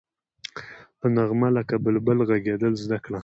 په نغمه لکه بلبل غږېدل زده کړه.